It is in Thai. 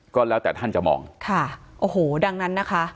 ก็แล้วแต่ท่านจะมองค่ะโอ้โหดังนั้นนะคะ